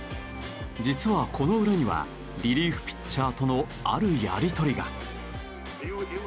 実はこの裏にはリリーフピッチャーとのあるやり取りが。